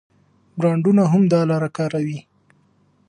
برانډونه هم دا لاره کاروي.